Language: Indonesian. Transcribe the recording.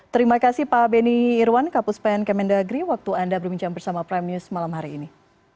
terima kasih pak benny irwan kapus pen kemendagri waktu anda berbincang bersama prime news malam hari ini